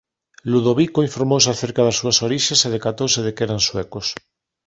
Ludovico informouse acerca das súas orixes e decatouse de que eran suecos.